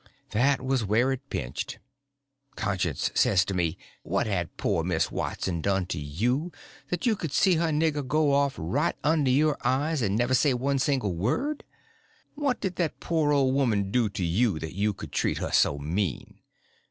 That was where it pinched. Conscience says to me, "What had poor Miss Watson done to you that you could see her nigger go off right under your eyes and never say one single word? What did that poor old woman do to you that you could treat her so mean?